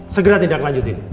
segera tindak lanjutin